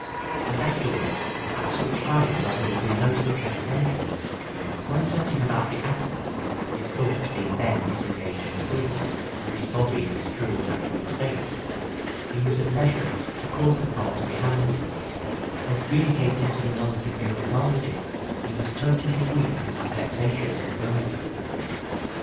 And afterwards, at such times as he was in no such apprehension, when setting about the act (his thoughts being then disengaged and free, and his body in its true and natural estate) he was at leisure to cause the part to be handled and communicated to the knowledge of the other party, he was totally freed from that vexatious infirmity.